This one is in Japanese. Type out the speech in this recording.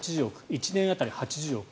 １年当たり８０億円